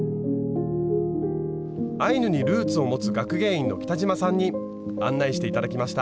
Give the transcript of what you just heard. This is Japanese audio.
アイヌにルーツを持つ学芸員の北嶋さんに案内して頂きました。